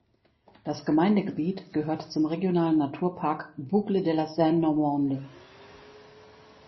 Das Gemeindegebiet gehört zum Regionalen Naturpark Boucles de la Seine Normande.